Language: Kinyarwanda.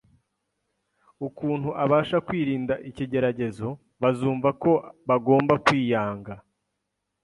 ukuntu abasha kwirinda ikigeragezo, bazumva ko bagomba kwiyanga